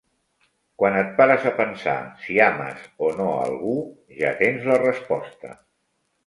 Quan et pares a pensar si ames o no algú, ja tens la resposta...